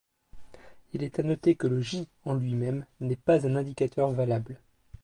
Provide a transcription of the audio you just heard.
Il est à noter que le j en lui-même n'est pas un indicateur valable.